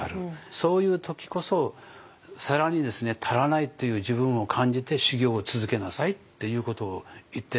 そういう時こそ更に足らないという自分を感じて修業を続けなさいっていうことを言ってる。